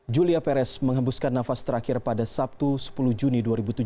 julia perez menghembuskan nafas terakhir pada sabtu sepuluh juni dua ribu tujuh belas